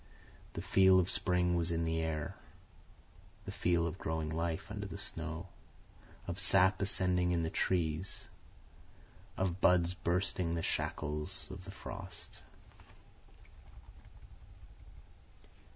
The feel of spring was in the air, the feel of growing life under the snow, of sap ascending in the trees, of buds bursting the shackles of the frost.